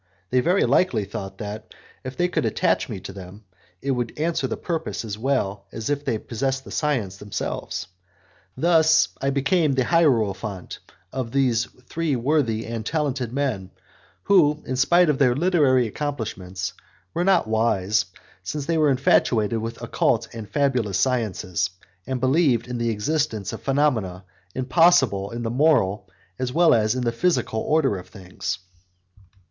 They very likely thought that, if they could attach me to them, it would answer the purpose as well as if they possessed the science themselves. Thus I became the hierophant of those three worthy and talented men, who, in spite of their literary accomplishments, were not wise, since they were infatuated with occult and fabulous sciences, and believed in the existence of phenomena impossible in the moral as well as in the physical order of things.